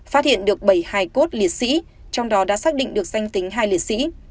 phát hiện được bảy hải cốt liệt sĩ trong đó đã xác định được danh tính hai liệt sĩ